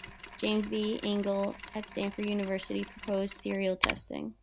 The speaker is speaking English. James B. Angell at Stanford University proposed serial testing.